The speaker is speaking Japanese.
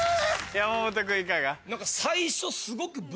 山本君いかが？